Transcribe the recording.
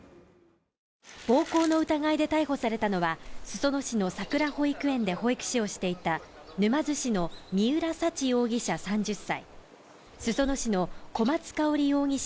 暴行の疑いで逮捕されたのは裾野市のさくら保育園で保育士をしていた沼津市の三浦沙知容疑者３０歳、裾野市の小松香織容疑者